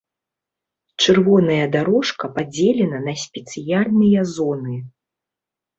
Чырвоная дарожка падзелена на спецыяльныя зоны.